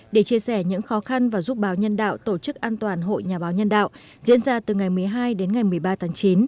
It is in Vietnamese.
để chia sẻ những khó khăn và giúp báo nhân đạo tổ chức an toàn hội nhà báo nhân đạo diễn ra từ ngày một mươi hai đến ngày một mươi ba tháng chín